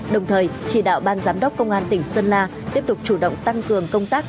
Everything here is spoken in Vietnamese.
đồng thời chỉ đạo ban giám đốc công an tỉnh sơn la tiếp tục chủ động tăng cường công tác